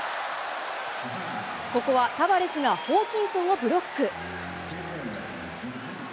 ここはタバレスがホーキンソンをブロック。